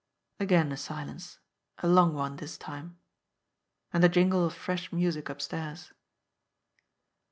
Again a silence, a long one this time. And the jingle of fresh music upstairs.